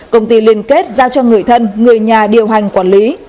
công ty liên kết giao cho người thân người nhà điều hành quản lý